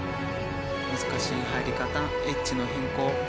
難しい入り方、エッジの変更。